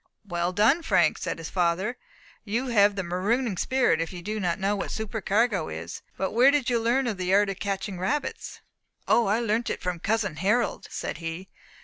"Well done, Frank," said his father; "you have the marooning spirit if you do not know what supercargo is. But where did you learn the art of catching rabbits?" "Oh, I learnt it from cousin Harold," said he.